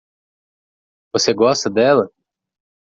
Você gosta dela?